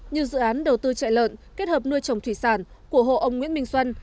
như dự án đầu tư chạy lợn kết hợp nuôi trồng thủy sản của hộ ông nguyễn minh xuân